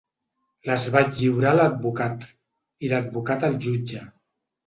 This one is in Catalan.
Les vaig lliurar a l’advocat i l’advocat al jutge.